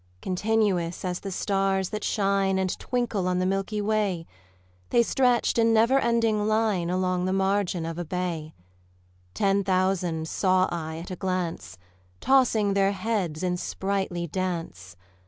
Continuous as the stars that shine And twinkle on the milky way, The stretched in never ending line Along the margin of a bay: Ten thousand saw I at a glance, Tossing their heads in sprightly dance.